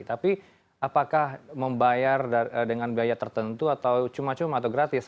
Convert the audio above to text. tapi apakah membayar dengan biaya tertentu atau cuma cuma atau gratis